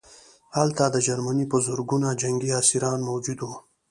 هلته د جرمني په زرګونه جنګي اسیران موجود وو